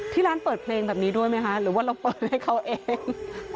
ที่ร้านเปิดเพลงแบบนี้ด้วยไหมคะหรือว่าเราเปิดให้เขาเอง